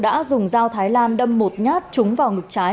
đã dùng dao thái lan đâm một nhát trúng vào ngực trái